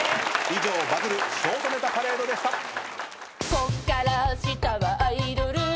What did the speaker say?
「こっから下はアイドル」